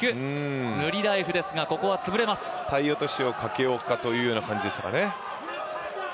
体落としをかけようかというような感じでしたね。